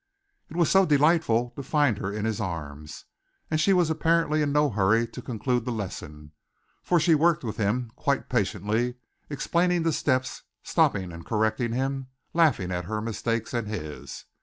It was so delightful to find her in his arms! And she was apparently in no hurry to conclude the lesson, for she worked with him quite patiently, explaining the steps, stopping and correcting him, laughing at her mistakes and his.